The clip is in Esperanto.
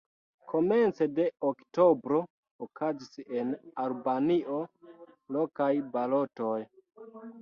Komence de oktobro okazis en Albanio lokaj balotoj.